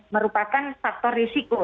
merupakan faktor risiko